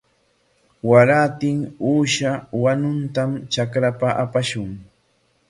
Warantin uusha wanutam trakrapa apashun.